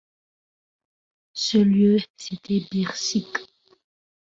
Ce lieu, c’était Bireçik.